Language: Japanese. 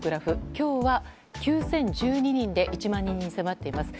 今日は９０１２人で１万人に迫っています。